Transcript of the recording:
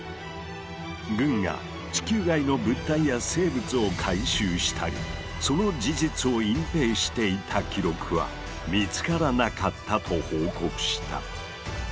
軍が地球外の物体や生物を回収したりその事実を隠蔽していた記録は見つからなかったと報告した。